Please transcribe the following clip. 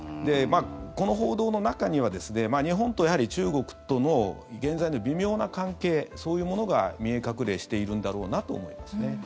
この報道の中には日本と中国との現在の微妙な関係そういうものが見え隠れしているんだろうなと思いますね。